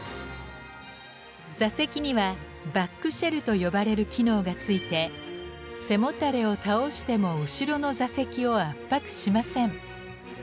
座席にはバックシェルと呼ばれる機能が付いて背もたれを倒しても後ろの座席を圧迫しません。